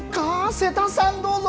瀬田さんどうぞ。